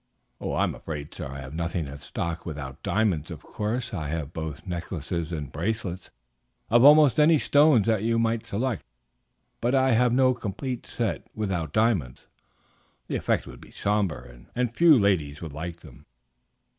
"I am afraid I have nothing in stock without diamonds; of course, I have both necklaces and bracelets of almost any stones that you might select, but I have no complete set without diamonds; the effect would be somber, and few ladies would like them."